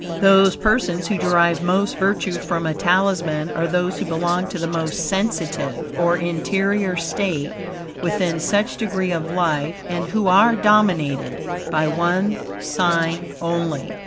Those persons who derive most virtue from a Talisman are those who belong to the most sensitive, or interior state, within such degree of life, and who are dominated by one sign only.